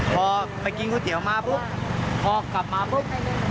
พอไปกินก๋วยเตี๋ยวมาปุ๊บพอกลับมาปุ๊บ